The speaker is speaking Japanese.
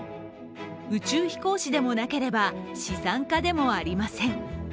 宇宙飛行士でもなければ資産家でもありません。